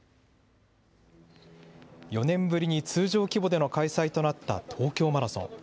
４年ぶりに通常規模での開催となった東京マラソン。